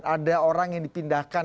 ada orang yang dipindahkan